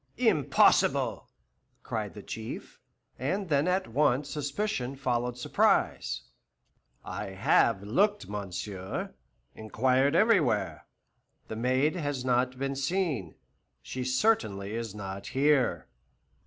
"Impossible!" cried the Chief, and then at once suspicion followed surprise. "I have looked, monsieur, inquired everywhere; the maid has not been seen. She certainly is not here."